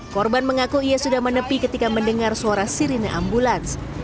korban mengaku ia sudah menepi ketika mendengar suara sirine ambulans